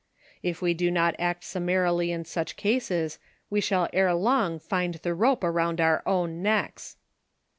If we do not act summarily in such cases, we shall ere long find the rope around oiu" own necks